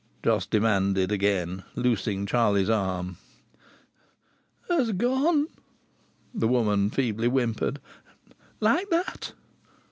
Jos demanded again, loosing Charlie's arm. "Her's gone!" the woman feebly whimpered. "Like that!"